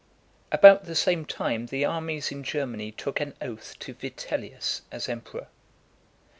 VIII. About the same time, the armies in Germany took an oath to Vitellius as emperor.